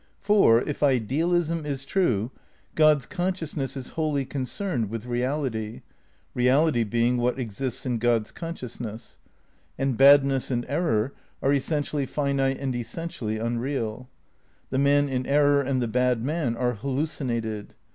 For, if idealism is true, God's consciousness is wholly concerned with reality, reality being what exists in God 's consciousness ; and badness and error are essentially finite and essentially unreal. The man in error and the bad man are hallucin ated.